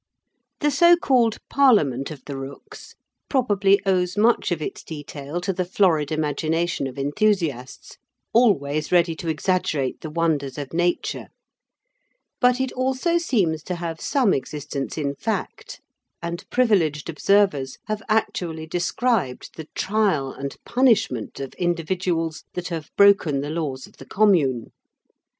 The so called parliament of the rooks probably owes much of its detail to the florid imagination of enthusiasts, always ready to exaggerate the wonders of Nature; but it also seems to have some existence in fact, and privileged observers have actually described the trial and punishment of individuals that have broken the laws of the commune.